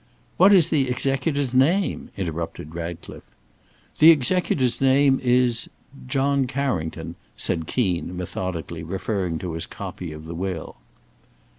"What is the executor's name?" interrupted Ratcliffe. "The executor's name is John Carrington," said Keen, methodically referring to his copy of the will.